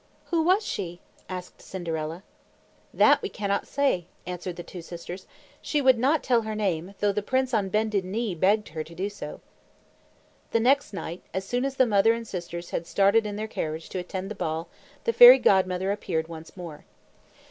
"Who was she?" asked Cinderella. "That we cannot say," answered the two sisters. "She would not tell her name, though the prince, on bended knee, begged her to do so." The next night, as soon as the mother and sisters had started in their carriage to attend the ball, the Fairy Godmother appeared once more.